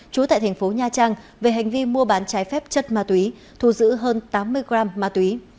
trú tại thành phố nha trang về hành vi mua bán trái phép chất ma túy thu giữ hơn tám mươi gram ma túy